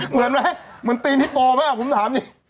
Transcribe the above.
เหมือนมั้ยเหมือนตีนฮิโป่ไหมอะคุณผู้ตำนี้